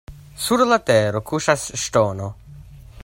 Sur la tero kuŝas ŝtono.